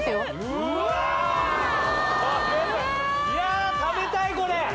いや食べたいこれ！